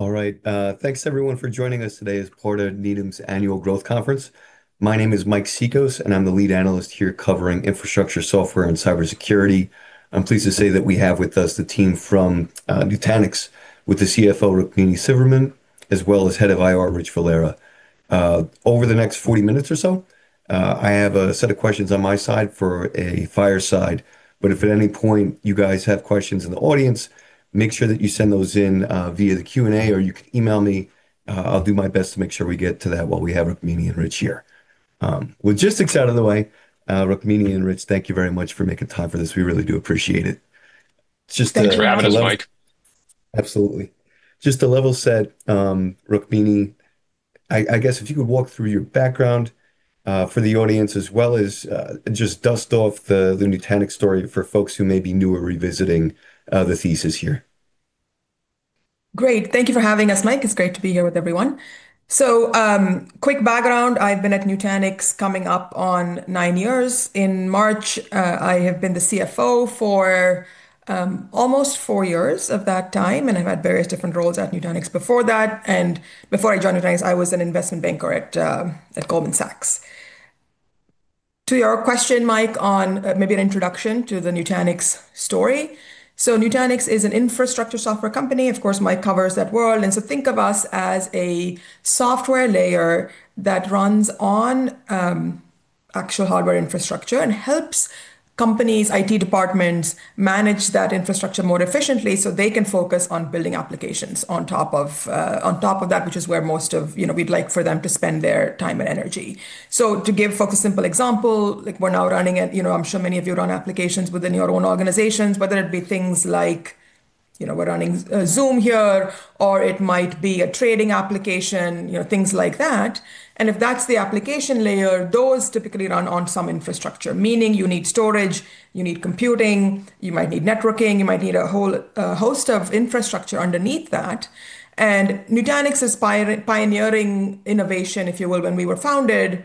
All right. Thanks, everyone, for joining us today as part of Needham's Annual Growth Conference. My name is Mike Cikos, and I'm the lead analyst here covering infrastructure, software, and cybersecurity. I'm pleased to say that we have with us the team from Nutanix, with the CFO, Rukmini Sivaraman, as well as head of IR, Rich Valera. Over the next 40 minutes or so, I have a set of questions on my side for a fireside. But if at any point you guys have questions in the audience, make sure that you send those in via the Q&A, or you can email me. I'll do my best to make sure we get to that while we have Rukmini and Rich here. Logistics out of the way, Rukmini and Rich, thank you very much for making time for this. We really do appreciate it. Thanks for having us, Mike. Absolutely. Just to level set, Rukmini, I guess if you could walk through your background for the audience, as well as just dust off the Nutanix story for folks who may be new or revisiting the thesis here. Great. Thank you for having us, Mike. It's great to be here with everyone. So quick background, I've been at Nutanix coming up on nine years. In March, I have been the CFO for almost four years of that time, and I've had various different roles at Nutanix before that. And before I joined Nutanix, I was an investment banker at Goldman Sachs. To your question, Mike, on maybe an introduction to the Nutanix story. So Nutanix is an infrastructure software company. Of course, Mike covers that world. And so think of us as a software layer that runs on actual hardware infrastructure and helps companies, IT departments, manage that infrastructure more efficiently so they can focus on building applications on top of that, which is where most of we'd like for them to spend their time and energy. So to give folks a simple example, we're now running it. I'm sure many of you run applications within your own organizations, whether it be things like we're running Zoom here, or it might be a trading application, things like that. And if that's the application layer, those typically run on some infrastructure, meaning you need storage, you need computing, you might need networking, you might need a whole host of infrastructure underneath that. And Nutanix's pioneering innovation, if you will, when we were founded,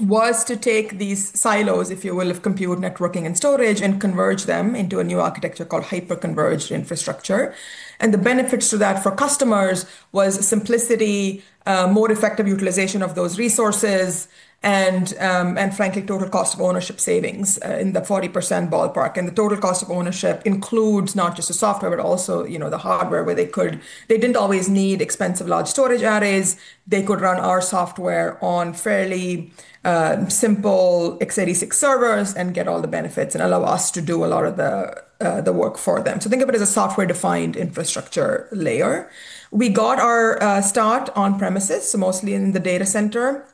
was to take these silos, if you will, of compute, networking, and storage, and converge them into a new architecture called hyper-converged infrastructure. And the benefits to that for customers was simplicity, more effective utilization of those resources, and frankly, total cost of ownership savings in the 40% ballpark. And the total cost of ownership includes not just the software, but also the hardware, where they didn't always need expensive large storage areas. They could run our software on fairly simple x86 servers and get all the benefits and allow us to do a lot of the work for them. So think of it as a software-defined infrastructure layer. We got our start on premises, so mostly in the data center,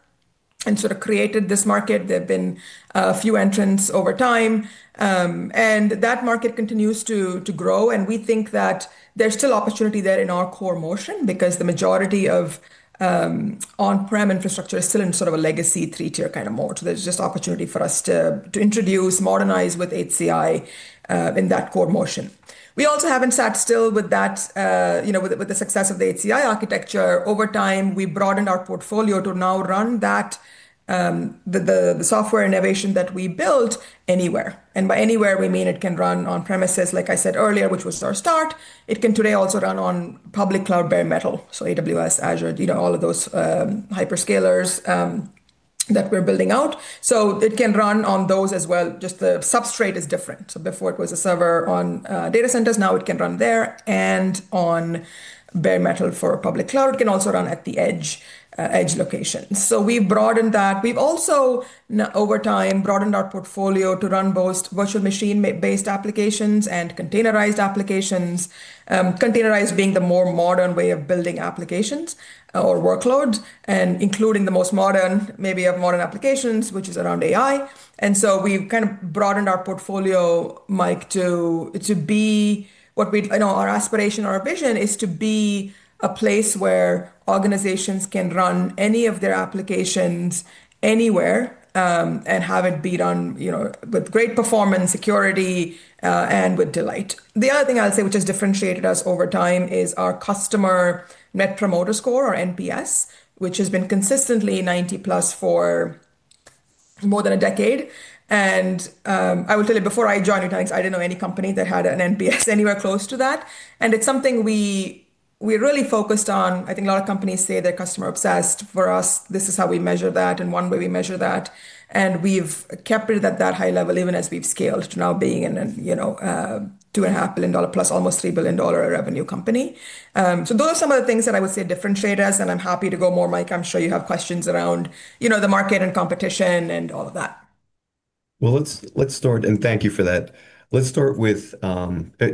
and sort of created this market. There have been a few entrants over time. And that market continues to grow. And we think that there's still opportunity there in our core motion because the majority of on-prem infrastructure is still in sort of a legacy three-tier kind of mode. So there's just opportunity for us to introduce, modernize with HCI in that core motion. We also haven't sat still with that, with the success of the HCI architecture. Over time, we broadened our portfolio to now run the software innovation that we built anywhere. By anywhere, we mean it can run on premises, like I said earlier, which was our start. It can today also run on public cloud bare metal, so AWS, Azure, all of those hyperscalers that we're building out. It can run on those as well. Just the substrate is different. Before it was a server on data centers, now it can run there and on bare metal for public cloud. It can also run at the edge location. We've broadened that. We've also, over time, broadened our portfolio to run both virtual machine-based applications and containerized applications, containerized being the more modern way of building applications or workloads, and including the most modern, maybe of modern applications, which is around AI. And so we've kind of broadened our portfolio, Mike, to be what our aspiration, our vision is to be a place where organizations can run any of their applications anywhere and have it be done with great performance, security, and with delight. The other thing I'll say, which has differentiated us over time, is our customer Net Promoter Score, or NPS, which has been consistently 90-plus for more than a decade. And I will tell you, before I joined Nutanix, I didn't know any company that had an NPS anywhere close to that. And it's something we really focused on. I think a lot of companies say they're customer-obsessed. For us, this is how we measure that and one way we measure that. And we've kept it at that high level, even as we've scaled to now being a $2.5 billion-plus, almost $3 billion revenue company. So those are some of the things that I would say differentiate us. And I'm happy to go more, Mike. I'm sure you have questions around the market and competition and all of that. Let's start, and thank you for that. Let's start with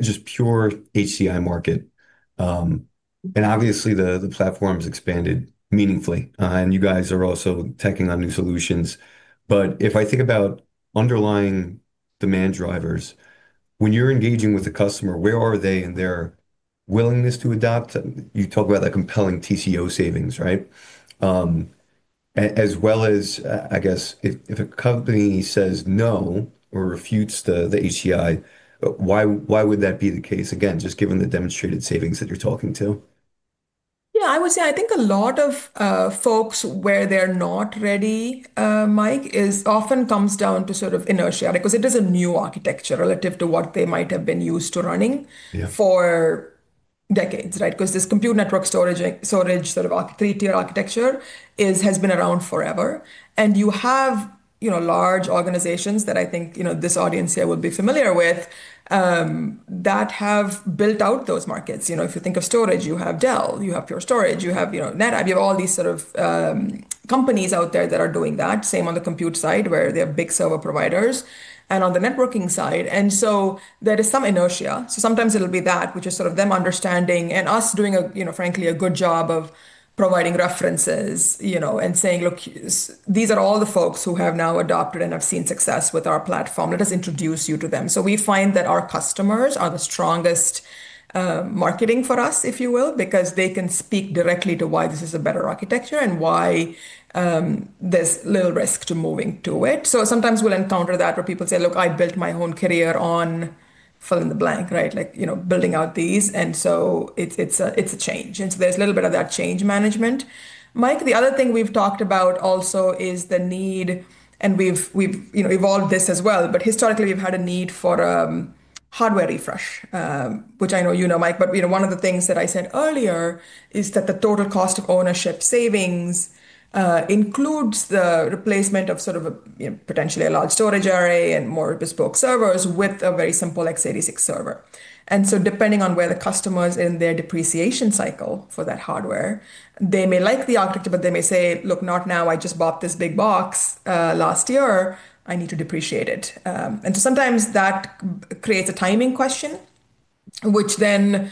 just pure HCI market. The platform has expanded meaningfully. You guys are also tacking on new solutions. If I think about underlying demand drivers, when you're engaging with the customer, where are they in their willingness to adopt? You talk about that compelling TCO savings, right? As well as, I guess, if a company says no or refutes the HCI, why would that be the case? Again, just given the demonstrated savings that you're talking to. Yeah, I would say I think a lot of folks where they're not ready, Mike, often comes down to sort of inertia, because it is a new architecture relative to what they might have been used to running for decades, right? Because this compute network storage sort of three-tier architecture has been around forever. And you have large organizations that I think this audience here will be familiar with that have built out those markets. If you think of storage, you have Dell, you have Pure Storage, you have NetApp, you have all these sort of companies out there that are doing that. Same on the compute side, where they have big server providers and on the networking side. And so there is some inertia. So sometimes it'll be that, which is sort of them understanding and us doing, frankly, a good job of providing references and saying, look, these are all the folks who have now adopted and have seen success with our platform. Let us introduce you to them. So we find that our customers are the strongest marketing for us, if you will, because they can speak directly to why this is a better architecture and why there's little risk to moving to it. So sometimes we'll encounter that where people say, look, I built my own career on fill in the blank, right? Building out these. And so it's a change. And so there's a little bit of that change management. Mike, the other thing we've talked about also is the need, and we've evolved this as well, but historically, we've had a need for a hardware refresh, which I know you know, Mike. But one of the things that I said earlier is that the total cost of ownership savings includes the replacement of sort of potentially a large storage array and more bespoke servers with a very simple x86 server. And so depending on where the customer is in their depreciation cycle for that hardware, they may like the architecture, but they may say, look, not now. I just bought this big box last year. I need to depreciate it. And so sometimes that creates a timing question, which then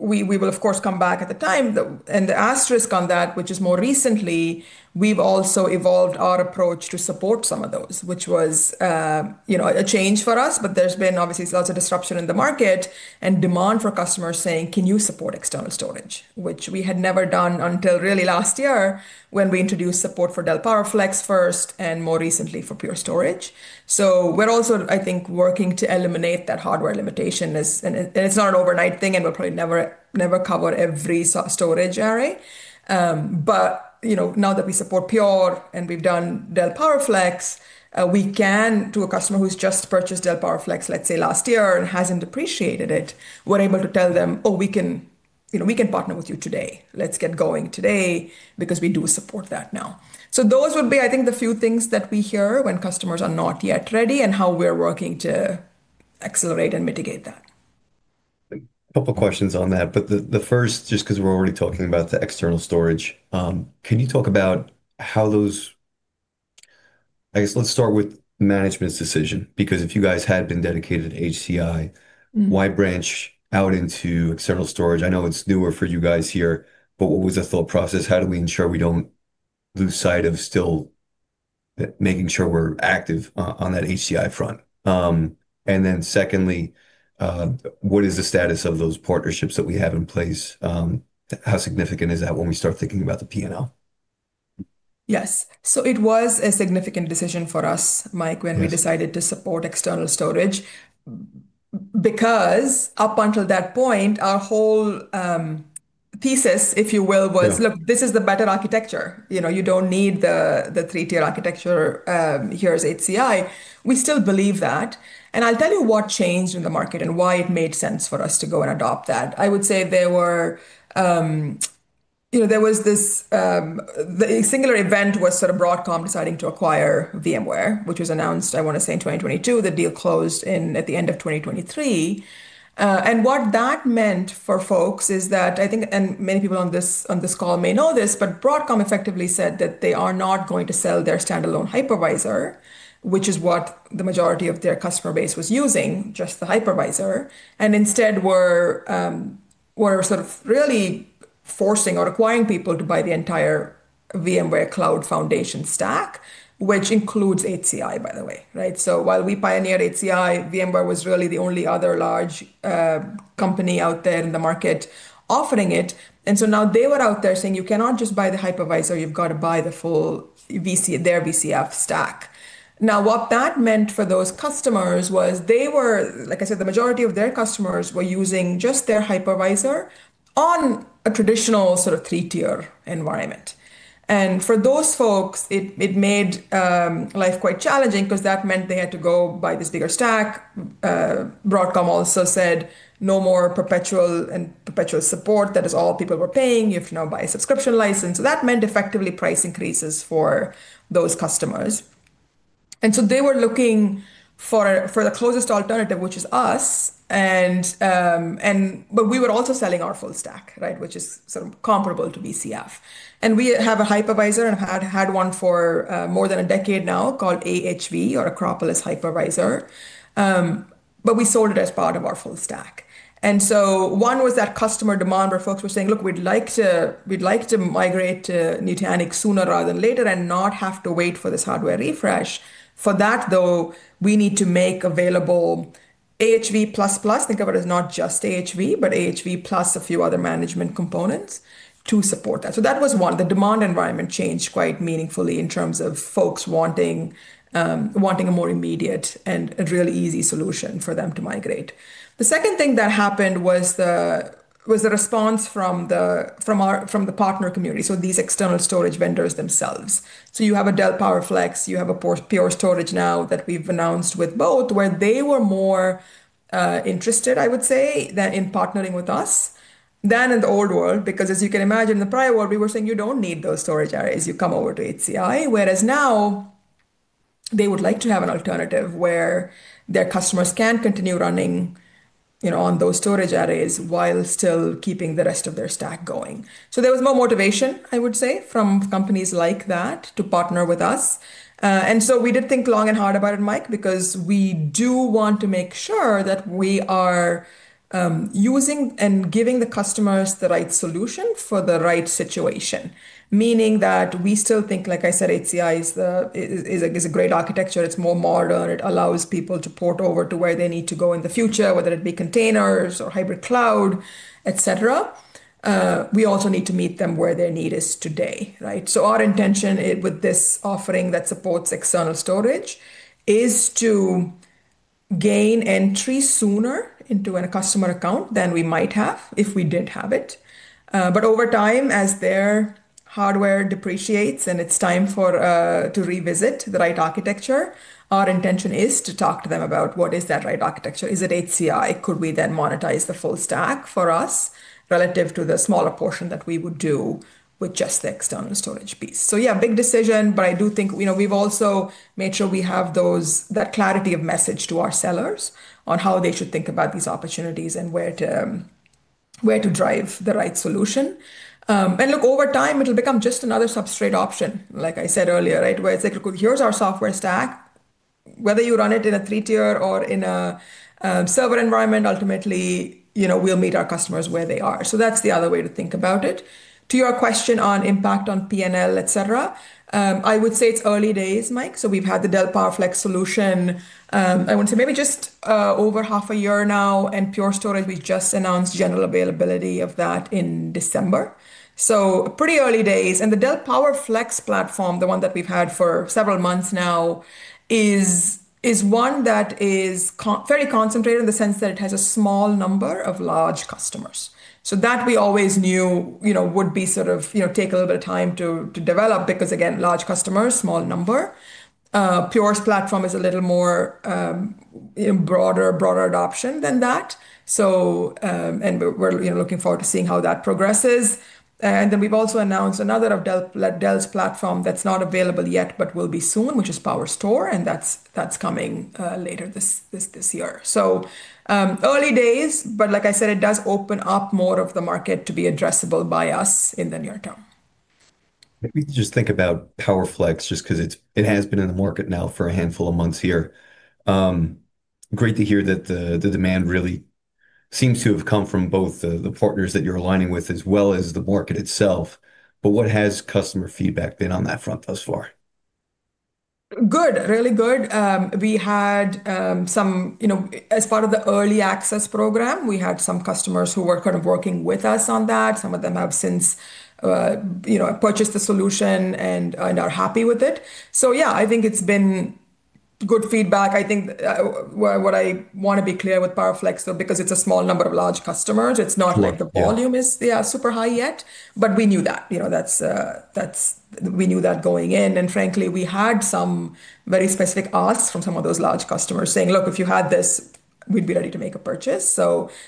we will, of course, come back at the time. And the asterisk on that, which is more recently, we've also evolved our approach to support some of those, which was a change for us. But there's been, obviously, lots of disruption in the market and demand for customers saying, can you support external storage, which we had never done until really last year when we introduced support for Dell PowerFlex first and more recently for Pure Storage. So we're also, I think, working to eliminate that hardware limitation. And it's not an overnight thing, and we'll probably never cover every storage array. But now that we support Pure and we've done Dell PowerFlex, we can, to a customer who's just purchased Dell PowerFlex, let's say, last year and hasn't depreciated it, we're able to tell them, oh, we can partner with you today. Let's get going today because we do support that now. So those would be, I think, the few things that we hear when customers are not yet ready and how we're working to accelerate and mitigate that. A couple of questions on that. But the first, just because we're already talking about the external storage, can you talk about how those, I guess, let's start with management's decision, because if you guys had been dedicated to HCI, why branch out into external storage? I know it's newer for you guys here, but what was the thought process? How do we ensure we don't lose sight of still making sure we're active on that HCI front? And then secondly, what is the status of those partnerships that we have in place? How significant is that when we start thinking about the P&L? Yes. So it was a significant decision for us, Mike, when we decided to support external storage, because up until that point, our whole thesis, if you will, was, look, this is the better architecture. You don't need the three-tier architecture. Here's HCI. We still believe that. And I'll tell you what changed in the market and why it made sense for us to go and adopt that. I would say there was this singular event where sort of Broadcom deciding to acquire VMware, which was announced, I want to say, in 2022. The deal closed at the end of 2023. And what that meant for folks is that I think, and many people on this call may know this, but Broadcom effectively said that they are not going to sell their standalone hypervisor, which is what the majority of their customer base was using, just the hypervisor, and instead were sort of really forcing or requiring people to buy the entire VMware Cloud Foundation stack, which includes HCI, by the way, right? So while we pioneered HCI, VMware was really the only other large company out there in the market offering it. And so now they were out there saying, you cannot just buy the hypervisor. You've got to buy the full their VCF stack. Now, what that meant for those customers was they were, like I said, the majority of their customers were using just their hypervisor on a traditional sort of three-tier environment. And for those folks, it made life quite challenging because that meant they had to go buy this bigger stack. Broadcom also said, no more perpetual support. That is all people were paying. You have to now buy a subscription license. So that meant effectively price increases for those customers. And so they were looking for the closest alternative, which is us. But we were also selling our full stack, right, which is sort of comparable to VCF. And we have a hypervisor and have had one for more than a decade now called AHV or Acropolis Hypervisor. But we sold it as part of our full stack. And so one was that customer demand where folks were saying, look, we'd like to migrate to Nutanix sooner rather than later and not have to wait for this hardware refresh. For that, though, we need to make available AHV plus plus. Think of it as not just AHV, but AHV plus a few other management components to support that. So that was one. The demand environment changed quite meaningfully in terms of folks wanting a more immediate and really easy solution for them to migrate. The second thing that happened was the response from the partner community, so these external storage vendors themselves. So you have a Dell PowerFlex. You have a Pure Storage now that we've announced with both, where they were more interested, I would say, than in partnering with us than in the old world. Because as you can imagine, in the prior world, we were saying, you don't need those storage areas. You come over to HCI. Whereas now, they would like to have an alternative where their customers can continue running on those storage areas while still keeping the rest of their stack going. There was more motivation, I would say, from companies like that to partner with us. We did think long and hard about it, Mike, because we do want to make sure that we are using and giving the customers the right solution for the right situation, meaning that we still think, like I said, HCI is a great architecture. It's more modern. It allows people to port over to where they need to go in the future, whether it be containers or hybrid cloud, et cetera. We also need to meet them where their need is today, right? Our intention with this offering that supports external storage is to gain entry sooner into a customer account than we might have if we didn't have it. But over time, as their hardware depreciates and it's time to revisit the right architecture, our intention is to talk to them about what is that right architecture. Is it HCI? Could we then monetize the full stack for us relative to the smaller portion that we would do with just the external storage piece? So yeah, big decision, but I do think we've also made sure we have that clarity of message to our sellers on how they should think about these opportunities and where to drive the right solution. And look, over time, it'll become just another substrate option, like I said earlier, right? Where it's like, look, here's our software stack. Whether you run it in a three-tier or in a server environment, ultimately, we'll meet our customers where they are. So that's the other way to think about it. To your question on impact on P&L, et cetera, I would say it's early days, Mike. So we've had the Dell PowerFlex solution. I would say maybe just over half a year now. And Pure Storage, we just announced general availability of that in December. So pretty early days. And the Dell PowerFlex platform, the one that we've had for several months now, is one that is fairly concentrated in the sense that it has a small number of large customers. So that we always knew would be sort of take a little bit of time to develop because, again, large customers, small number. Pure's platform is a little more broader adoption than that. And we're looking forward to seeing how that progresses. And then we've also announced another of Dell's platform that's not available yet, but will be soon, which is PowerStore. And that's coming later this year. So early days, but like I said, it does open up more of the market to be addressable by us in the near term. Maybe just think about PowerFlex just because it has been in the market now for a handful of months here. Great to hear that the demand really seems to have come from both the partners that you're aligning with as well as the market itself. But what has customer feedback been on that front thus far? Good, really good. We had some, as part of the early access program, we had some customers who were kind of working with us on that. Some of them have since purchased the solution and are happy with it. So yeah, I think it's been good feedback. I think what I want to be clear with PowerFlex, though, because it's a small number of large customers, it's not like the volume is super high yet. But we knew that. We knew that going in. And frankly, we had some very specific asks from some of those large customers saying, look, if you had this, we'd be ready to make a purchase,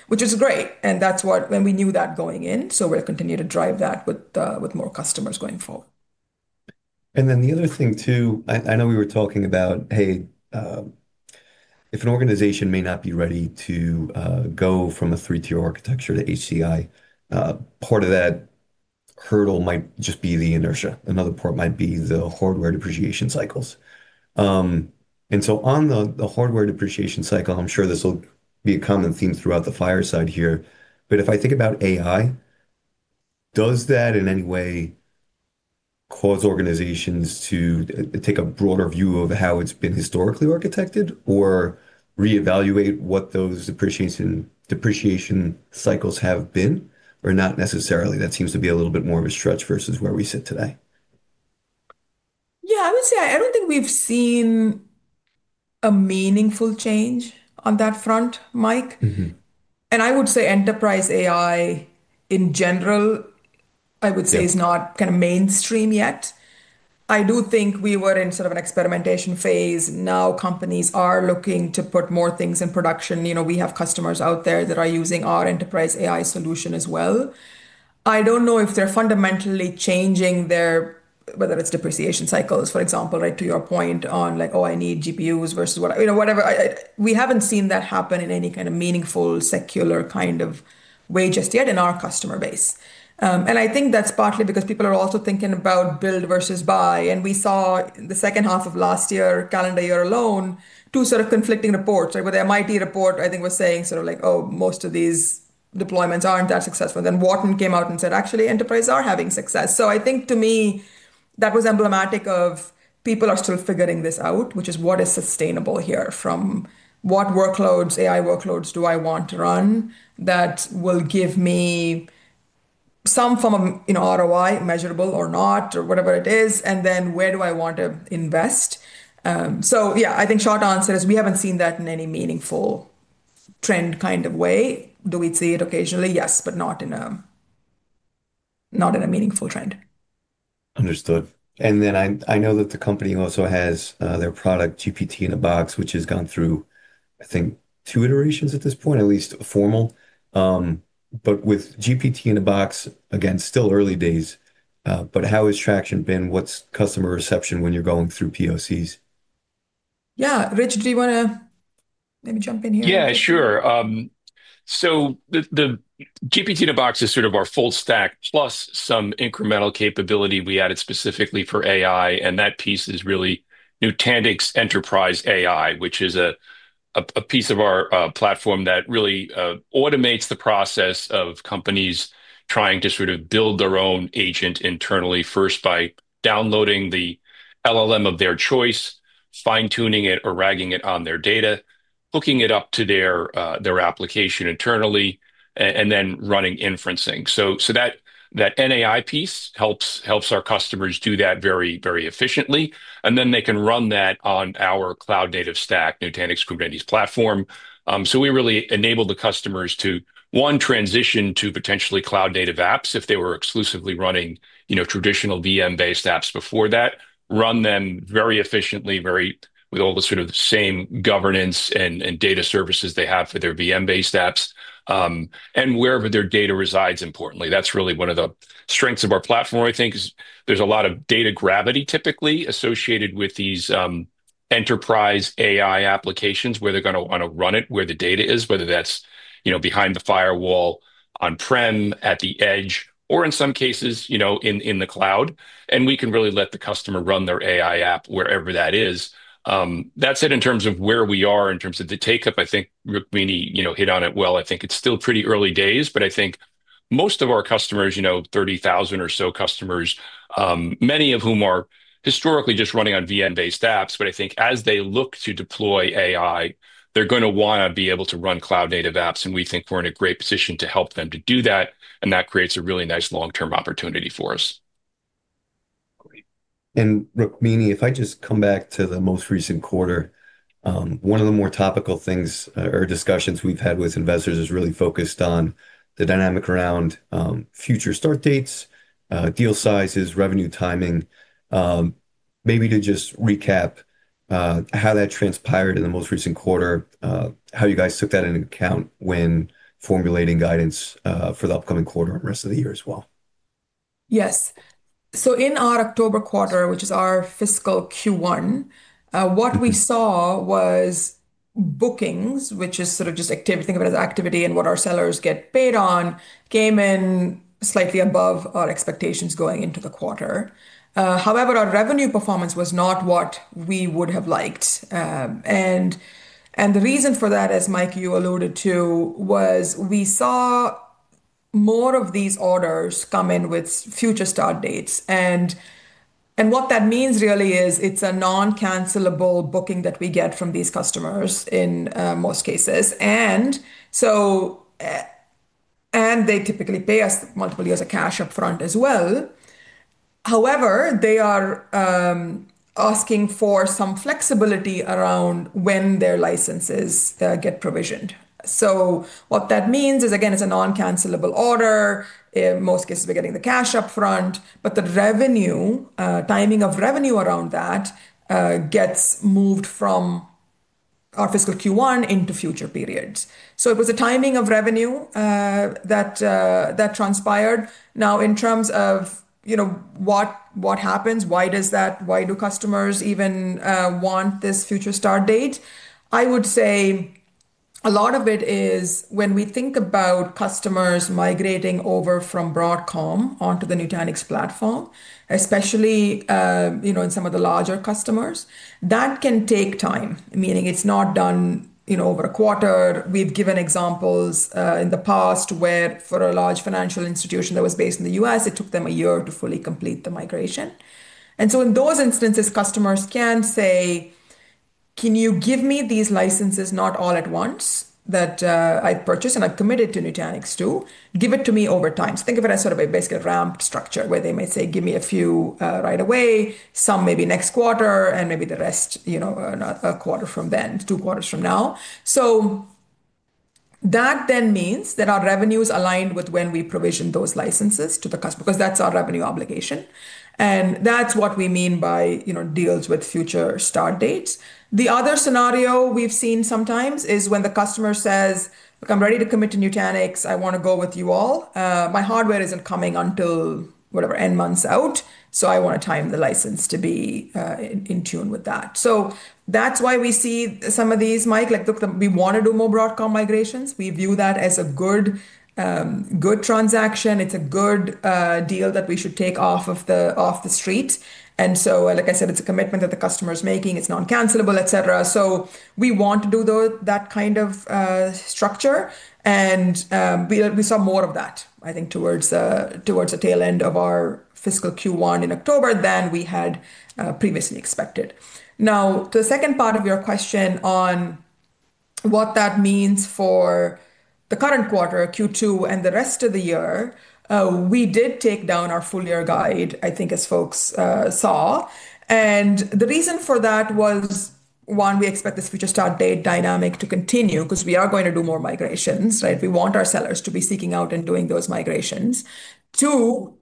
which is great. And that's what we knew that going in. So we'll continue to drive that with more customers going forward. And then the other thing too, I know we were talking about, hey, if an organization may not be ready to go from a three-tier architecture to HCI, part of that hurdle might just be the inertia. Another part might be the hardware depreciation cycles. And so on the hardware depreciation cycle, I'm sure this will be a common theme throughout the fireside here. But if I think about AI, does that in any way cause organizations to take a broader view of how it's been historically architected or reevaluate what those depreciation cycles have been? Or not necessarily. That seems to be a little bit more of a stretch versus where we sit today. Yeah, I would say I don't think we've seen a meaningful change on that front, Mike. And I would say enterprise AI in general, I would say, is not kind of mainstream yet. I do think we were in sort of an experimentation phase. Now companies are looking to put more things in production. We have customers out there that are using our enterprise AI solution as well. I don't know if they're fundamentally changing their, whether it's depreciation cycles, for example, right to your point on like, oh, I need GPUs versus whatever. We haven't seen that happen in any kind of meaningful secular kind of way just yet in our customer base. And I think that's partly because people are also thinking about build versus buy. And we saw the second half of last year, calendar year alone, two sort of conflicting reports. Where the MIT report, I think, was saying sort of like, oh, most of these deployments aren't that successful. Then Wharton came out and said, actually, enterprises are having success. So I think to me, that was emblematic of people are still figuring this out, which is what is sustainable here from what workloads, AI workloads do I want to run that will give me some form of ROI, measurable or not, or whatever it is, and then where do I want to invest? So yeah, I think short answer is we haven't seen that in any meaningful trend kind of way. Do we see it occasionally? Yes, but not in a meaningful trend. Understood. And then I know that the company also has their product, GPT-in-a-Box, which has gone through, I think, two iterations at this point, at least formally. But with GPT-in-a-Box, again, still early days. But how has traction been? What's customer reception when you're going through POCs? Yeah, Rich, do you want to maybe jump in here? Yeah, sure. So the GPT-in-a-Box is sort of our full stack plus some incremental capability we added specifically for AI. And that piece is really Nutanix Enterprise AI, which is a piece of our platform that really automates the process of companies trying to sort of build their own agent internally first by downloading the LLM of their choice, fine-tuning it or RAGing it on their data, hooking it up to their application internally, and then running inferencing. So that NAI piece helps our customers do that very, very efficiently. And then they can run that on our cloud-native stack, Nutanix Kubernetes Platform. So, we really enabled the customers to, one, transition to potentially cloud-native apps if they were exclusively running traditional VM-based apps before that, run them very efficiently, with all the sort of same governance and data services they have for their VM-based apps, and wherever their data resides, importantly. That's really one of the strengths of our platform, I think, is there's a lot of data gravity typically associated with these enterprise AI applications where they're going to want to run it where the data is, whether that's behind the firewall on-prem at the edge or in some cases in the cloud, and we can really let the customer run their AI app wherever that is. That's it in terms of where we are in terms of the take-up. I think Rukmini hit on it well. I think it's still pretty early days, but I think most of our customers, 30,000 or so customers, many of whom are historically just running on VM-based apps, but I think as they look to deploy AI, they're going to want to be able to run cloud-native apps, and we think we're in a great position to help them to do that, and that creates a really nice long-term opportunity for us. Great. And Rukmini, if I just come back to the most recent quarter, one of the more topical things or discussions we've had with investors is really focused on the dynamic around future start dates, deal sizes, revenue timing. Maybe to just recap how that transpired in the most recent quarter, how you guys took that into account when formulating guidance for the upcoming quarter and rest of the year as well. Yes. So in our October quarter, which is our fiscal Q1, what we saw was bookings, which is sort of just activity, think of it as activity and what our sellers get paid on, came in slightly above our expectations going into the quarter. However, our revenue performance was not what we would have liked. And the reason for that, as Mike, you alluded to, was we saw more of these orders come in with future start dates. And what that means really is it's a non-cancelable booking that we get from these customers in most cases. And they typically pay us multiple years of cash upfront as well. However, they are asking for some flexibility around when their licenses get provisioned. So what that means is, again, it's a non-cancelable order. In most cases, we're getting the cash upfront, but the timing of revenue around that gets moved from our fiscal Q1 into future periods. So it was a timing of revenue that transpired. Now, in terms of what happens, why does that, why do customers even want this future start date? I would say a lot of it is when we think about customers migrating over from Broadcom onto the Nutanix platform, especially in some of the larger customers, that can take time, meaning it's not done over a quarter. We've given examples in the past where for a large financial institution that was based in the U.S., it took them a year to fully complete the migration. And so in those instances, customers can say, can you give me these licenses not all at once that I purchased and I've committed to Nutanix to give it to me over time? So think of it as sort of a basically ramped structure where they may say, give me a few right away, some maybe next quarter, and maybe the rest a quarter from then, two quarters from now. So that then means that our revenues aligned with when we provision those licenses to the customer because that's our revenue obligation. And that's what we mean by deals with future start dates. The other scenario we've seen sometimes is when the customer says, look, I'm ready to commit to Nutanix. I want to go with you all. My hardware isn't coming until whatever, end months out. So I want to time the license to be in tune with that. So that's why we see some of these, Mike, like we want to do more Broadcom migrations. We view that as a good transaction. It's a good deal that we should take off of the street. And so, like I said, it's a commitment that the customer is making. It's non-cancelable, et cetera. So we want to do that kind of structure. And we saw more of that, I think, towards the tail end of our fiscal Q1 in October than we had previously expected. Now, to the second part of your question on what that means for the current quarter, Q2, and the rest of the year, we did take down our full year guide, I think, as folks saw. And the reason for that was, one, we expect this future start date dynamic to continue because we are going to do more migrations. We want our sellers to be seeking out and doing those migrations. Two,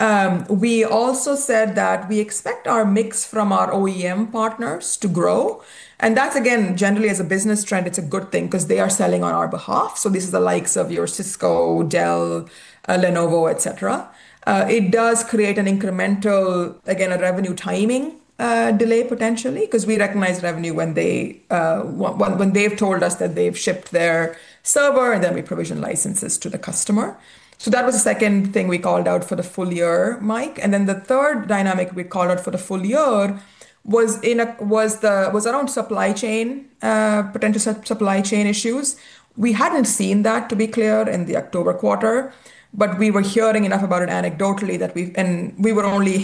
we also said that we expect our mix from our OEM partners to grow. And that's, again, generally as a business trend, it's a good thing because they are selling on our behalf. So this is the likes of your Cisco, Dell, Lenovo, et cetera. It does create an incremental, again, a revenue timing delay potentially because we recognize revenue when they've told us that they've shipped their server and then we provision licenses to the customer. So that was the second thing we called out for the full year, Mike. And then the third dynamic we called out for the full year was around supply chain, potential supply chain issues. We hadn't seen that, to be clear, in the October quarter, but we were hearing enough about it anecdotally that we were only,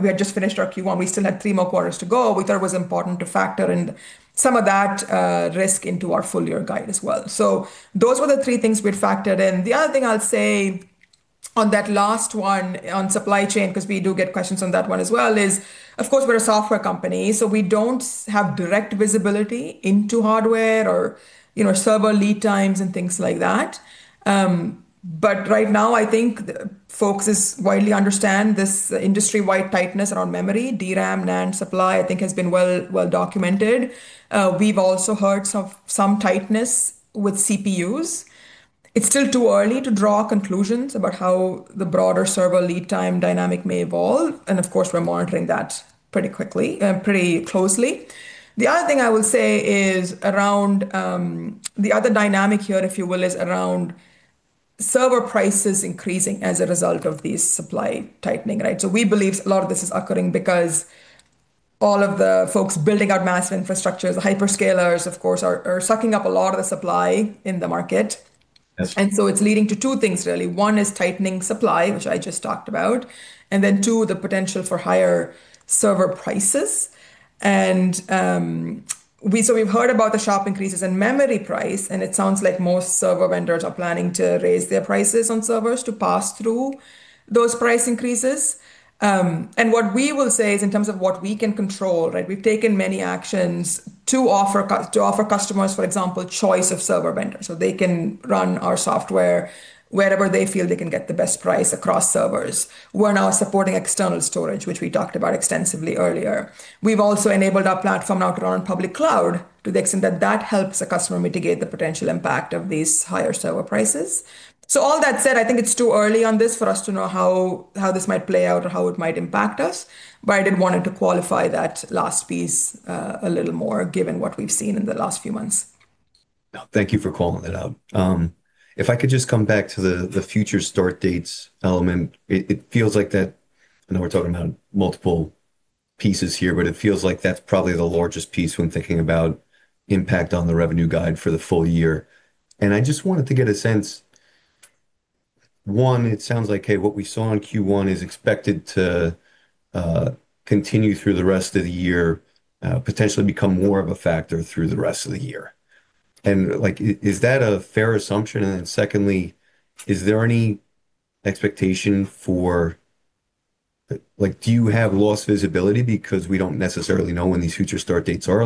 we had just finished our Q1. We still had three more quarters to go. We thought it was important to factor in some of that risk into our full year guide as well. So those were the three things we'd factored in. The other thing I'll say on that last one on supply chain, because we do get questions on that one as well, is, of course, we're a software company. So we don't have direct visibility into hardware or server lead times and things like that. But right now, I think folks widely understand this industry-wide tightness around memory, DRAM, NAND supply. I think has been well documented. We've also heard some tightness with CPUs. It's still too early to draw conclusions about how the broader server lead time dynamic may evolve, and of course, we're monitoring that pretty closely. The other thing I will say is around the other dynamic here, if you will, is around server prices increasing as a result of these supply tightening, so we believe a lot of this is occurring because all of the folks building out massive infrastructures, the hyperscalers, of course, are sucking up a lot of the supply in the market, and so it's leading to two things, really. One is tightening supply, which I just talked about, and then two, the potential for higher server prices, and so we've heard about the sharp increases in memory prices. And it sounds like most server vendors are planning to raise their prices on servers to pass through those price increases. And what we will say is in terms of what we can control, we've taken many actions to offer customers, for example, choice of server vendors. So they can run our software wherever they feel they can get the best price across servers. We're now supporting external storage, which we talked about extensively earlier. We've also enabled our platform now to run on public cloud to the extent that that helps a customer mitigate the potential impact of these higher server prices. So all that said, I think it's too early on this for us to know how this might play out or how it might impact us. But I did want it to qualify that last piece a little more given what we've seen in the last few months. Thank you for calling it out. If I could just come back to the future start dates element, it feels like that. I know we're talking about multiple pieces here, but it feels like that's probably the largest piece when thinking about impact on the revenue guide for the full year. And I just wanted to get a sense. One, it sounds like, hey, what we saw in Q1 is expected to continue through the rest of the year, potentially become more of a factor through the rest of the year. And is that a fair assumption? And then secondly, is there any expectation for, do you have lost visibility because we don't necessarily know when these future start dates are?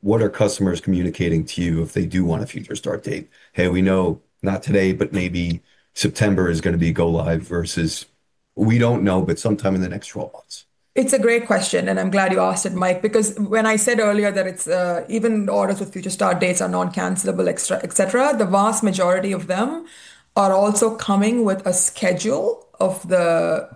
What are customers communicating to you if they do want a future start date? Hey, we know not today, but maybe September is going to be a go-live versus we don't know, but sometime in the next 12 months. It's a great question, and I'm glad you asked it, Mike, because when I said earlier that even orders with future start dates are non-cancelable, et cetera, the vast majority of them are also coming with a schedule of the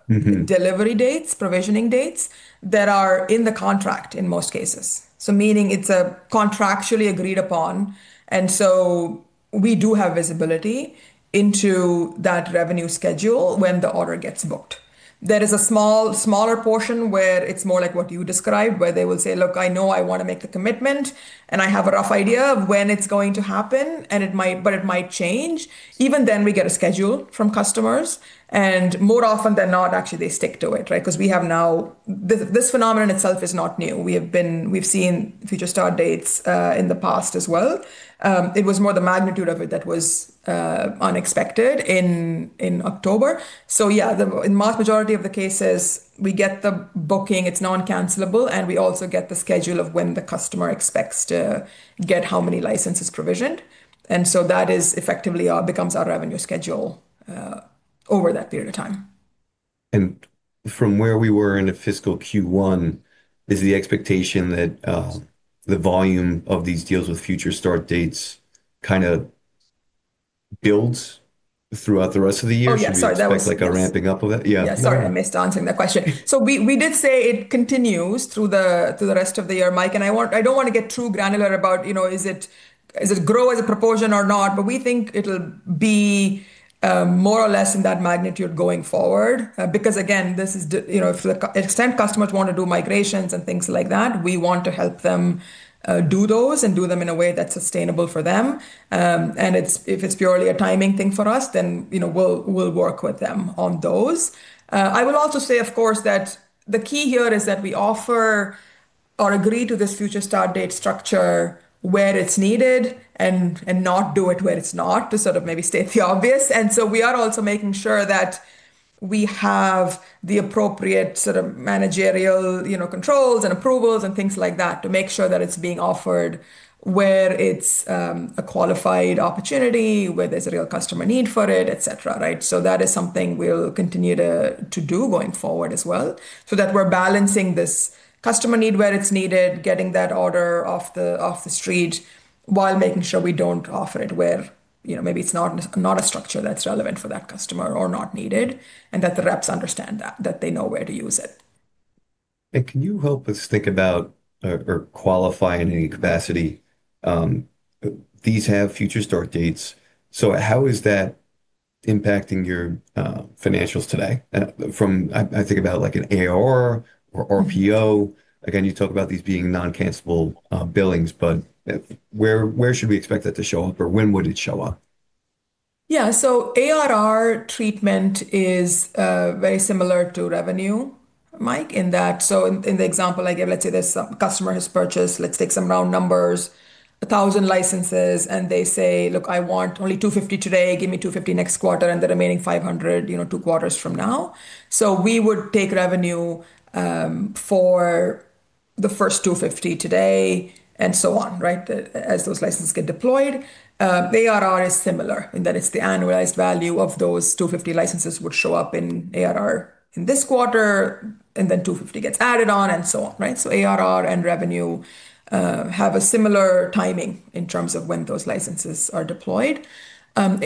delivery dates, provisioning dates that are in the contract in most cases, so meaning it's a contractually agreed upon, and so we do have visibility into that revenue schedule when the order gets booked. There is a smaller portion where it's more like what you described, where they will say, look, I know I want to make the commitment, and I have a rough idea of when it's going to happen, but it might change. Even then we get a schedule from customers, and more often than not, actually, they stick to it, right? Because we have now this phenomenon itself is not new. We've seen future start dates in the past as well. It was more the magnitude of it that was unexpected in October. So yeah, in the vast majority of the cases, we get the booking, it's non-cancelable, and we also get the schedule of when the customer expects to get how many licenses provisioned. And so that effectively becomes our revenue schedule over that period of time. From where we were in the fiscal Q1, is the expectation that the volume of these deals with future start dates kind of builds throughout the rest of the year? Yeah, sorry, that was. It's like a ramping up of that? Yeah. Yeah, sorry, I missed answering that question. So we did say it continues through the rest of the year, Mike. And I don't want to get too granular about is it grow as a proportion or not, but we think it'll be more or less in that magnitude going forward. Because again, to the extent customers want to do migrations and things like that, we want to help them do those and do them in a way that's sustainable for them. And if it's purely a timing thing for us, then we'll work with them on those. I will also say, of course, that the key here is that we offer or agree to this future start date structure where it's needed and not do it where it's not to sort of maybe state the obvious. And so we are also making sure that we have the appropriate sort of managerial controls and approvals and things like that to make sure that it's being offered where it's a qualified opportunity, where there's a real customer need for it, et cetera. So that is something we'll continue to do going forward as well. So that we're balancing this customer need where it's needed, getting that order off the street while making sure we don't offer it where maybe it's not a structure that's relevant for that customer or not needed and that the reps understand that, that they know where to use it. Can you help us think about or qualify in any capacity? These have future start dates. How is that impacting your financials today? I think about, like, an ARR or RPO. Again, you talk about these being non-cancelable billings, but where should we expect that to show up or when would it show up? Yeah, so ARR treatment is very similar to revenue, Mike, in that. In the example I give, let's say there's some customer has purchased. Let's take some round numbers: 1,000 licenses. And they say, look, I want only 250 today, give me 250 next quarter and the remaining 500 two quarters from now. So we would take revenue for the first 250 today and so on as those licenses get deployed. ARR is similar in that it's the annualized value of those 250 licenses would show up in ARR in this quarter and then 250 gets added on and so on. So ARR and revenue have a similar timing in terms of when those licenses are deployed. And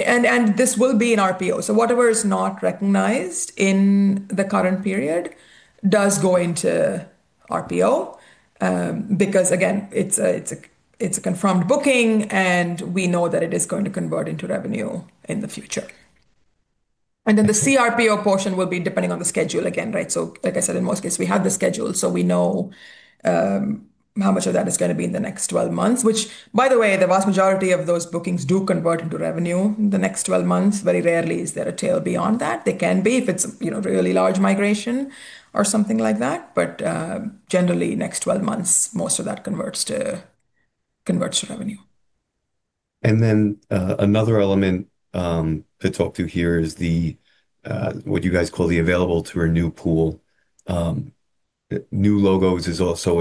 this will be in RPO. So whatever is not recognized in the current period does go into RPO because, again, it's a confirmed booking and we know that it is going to convert into revenue in the future. And then the CRPO portion will be depending on the schedule again. So like I said, in most cases, we have the schedule. So we know how much of that is going to be in the next 12 months, which, by the way, the vast majority of those bookings do convert into revenue in the next 12 months. Very rarely is there a tail beyond that. There can be if it's a really large migration or something like that. But generally, next 12 months, most of that converts to revenue. And then another element to talk to here is what you guys call the available to renew pool. New logos is also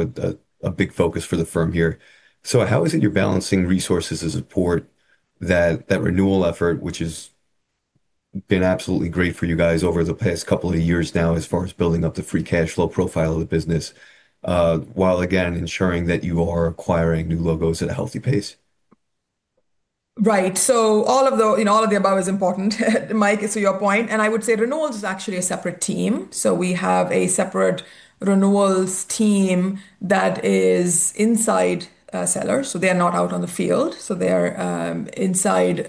a big focus for the firm here. So how is it you're balancing resources to support that renewal effort, which has been absolutely great for you guys over the past couple of years now as far as building up the free cash flow profile of the business while, again, ensuring that you are acquiring new logos at a healthy pace? Right, so all of the above is important, Mike, to your point, and I would say renewals is actually a separate team, so we have a separate renewals team that is inside sellers, so they are not out on the field, so they are inside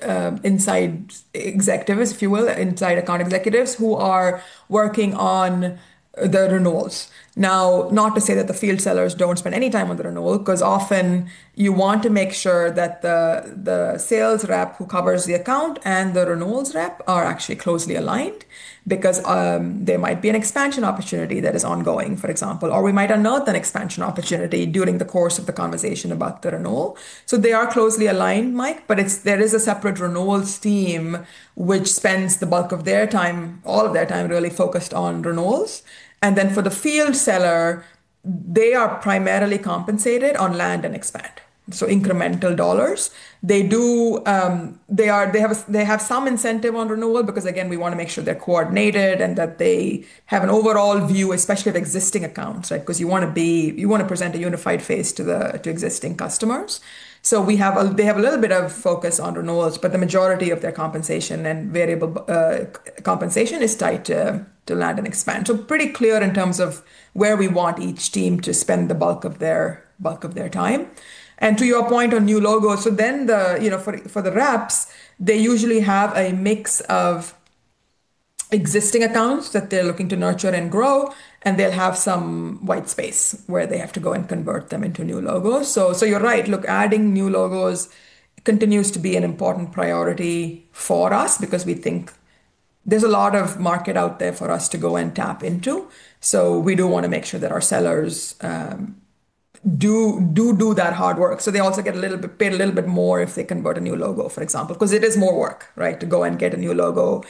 executives, if you will, inside account executives who are working on the renewals. Now, not to say that the field sellers don't spend any time on the renewal because often you want to make sure that the sales rep who covers the account and the renewals rep are actually closely aligned because there might be an expansion opportunity that is ongoing, for example, or we might unearth an expansion opportunity during the course of the conversation about the renewal. They are closely aligned, Mike, but there is a separate renewals team which spends the bulk of their time, all of their time, really focused on renewals. And then for the field seller, they are primarily compensated on land and expand. So incremental dollars. They have some incentive on renewal because, again, we want to make sure they're coordinated and that they have an overall view, especially of existing accounts because you want to present a unified face to existing customers. So they have a little bit of focus on renewals, but the majority of their compensation and variable compensation is tied to land and expansion. So pretty clear in terms of where we want each team to spend the bulk of their time. To your point on new logos, so then for the reps, they usually have a mix of existing accounts that they're looking to nurture and grow, and they'll have some white space where they have to go and convert them into new logos. So you're right. Look, adding new logos continues to be an important priority for us because we think there's a lot of market out there for us to go and tap into. So we do want to make sure that our sellers do do that hard work. So they also get a little bit paid a little bit more if they convert a new logo, for example, because it is more work to go and get a new logo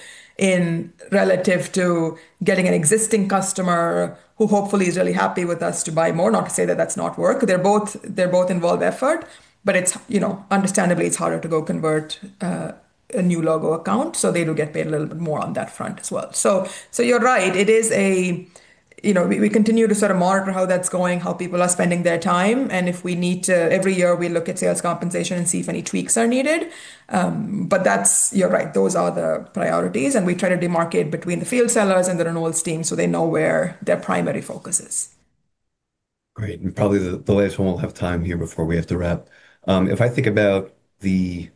relative to getting an existing customer who hopefully is really happy with us to buy more. Not to say that that's not work. They're both involved, effort, but understandably, it's harder to go convert a new logo account, so they do get paid a little bit more on that front as well, so you're right. It is. We continue to sort of monitor how that's going, how people are spending their time, and if we need to, every year, we look at sales compensation and see if any tweaks are needed, but you're right. Those are the priorities, and we try to demarcate between the field sellers and the renewals team so they know where their primary focus is. Great. And probably the last one we'll have time here before we have to wrap. If I think about,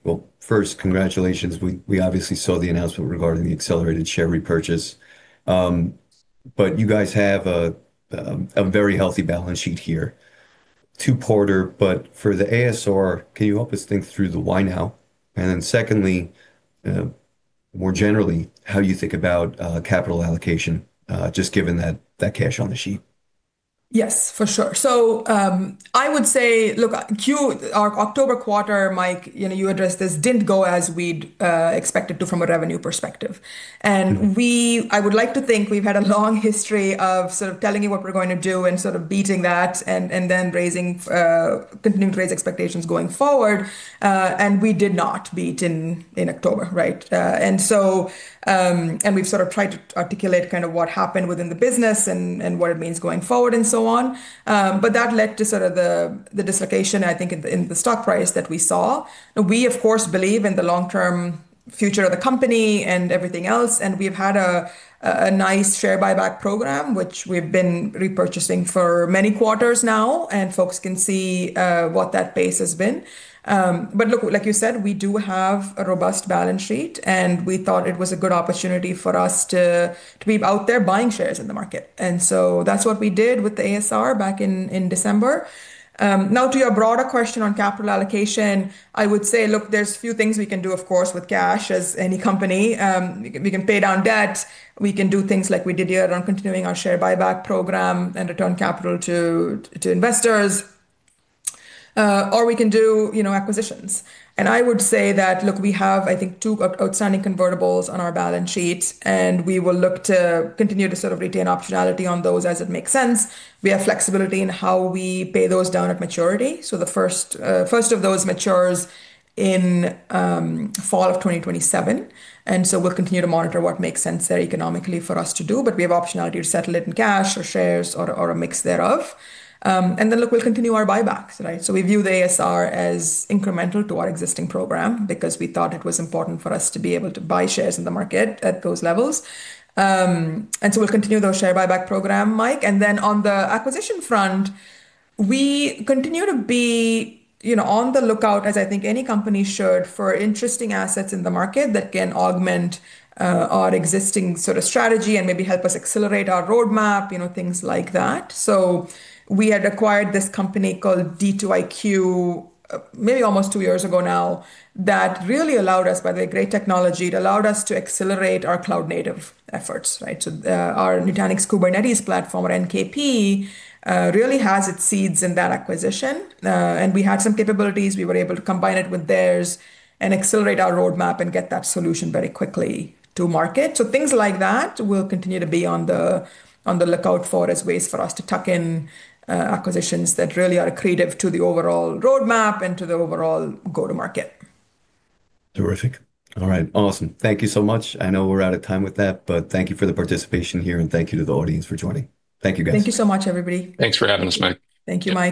well, first, congratulations. We obviously saw the announcement regarding the accelerated share repurchase. But you guys have a very healthy balance sheet here. Two-quarter, but for the ASR, can you help us think through the why now? And then secondly, more generally, how you think about capital allocation just given that cash on the sheet? Yes, for sure. So I would say, look, our October quarter, Mike, you addressed this, didn't go as we'd expected to from a revenue perspective. And I would like to think we've had a long history of sort of telling you what we're going to do and sort of beating that and then continuing to raise expectations going forward. And we did not beat in October. And we've sort of tried to articulate kind of what happened within the business and what it means going forward and so on. But that led to sort of the dislocation, I think, in the stock price that we saw. We, of course, believe in the long-term future of the company and everything else. And we've had a nice share buyback program, which we've been repurchasing for many quarters now. And folks can see what that pace has been. But look, like you said, we do have a robust balance sheet. And we thought it was a good opportunity for us to be out there buying shares in the market. And so that's what we did with the ASR back in December. Now, to your broader question on capital allocation, I would say, look, there's a few things we can do, of course, with cash as any company. We can pay down debt. We can do things like we did here on continuing our share buyback program and return capital to investors. Or we can do acquisitions. And I would say that, look, we have, I think, two outstanding convertibles on our balance sheet. And we will look to continue to sort of retain optionality on those as it makes sense. We have flexibility in how we pay those down at maturity. The first of those matures in fall of 2027. We'll continue to monitor what makes sense there economically for us to do. We have optionality to settle it in cash or shares or a mix thereof. Then, look, we'll continue our buybacks. We view the ASR as incremental to our existing program because we thought it was important for us to be able to buy shares in the market at those levels. We'll continue the share buyback program, Mike. Then on the acquisition front, we continue to be on the lookout, as I think any company should, for interesting assets in the market that can augment our existing sort of strategy and maybe help us accelerate our roadmap, things like that. So we had acquired this company called D2iQ maybe almost two years ago now. That really allowed us, by the way, great technology. It allowed us to accelerate our cloud-native efforts. So our Nutanix Kubernetes Platform or NKP really has its seeds in that acquisition, and we had some capabilities. We were able to combine it with theirs and accelerate our roadmap and get that solution very quickly to market. So things like that will continue. We will be on the lookout for ways for us to tuck in acquisitions that really are key to the overall roadmap and to the overall go-to-market. Terrific. All right. Awesome. Thank you so much. I know we're out of time with that, but thank you for the participation here and thank you to the audience for joining. Thank you, guys. Thank you so much, everybody. Thanks for having us, Mike. Thank you, Mike.